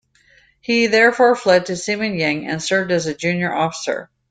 He therefore fled to Sima Ying and served as a junior officer.